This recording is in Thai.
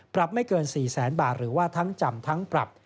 ปรับไม่เกิน๔๐๐๐๐๐บาทหรือว่าทั้งจำทั้งปรับ